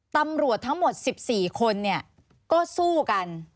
ตำรวจทั้งหมด๑๔คนก็สู้กัน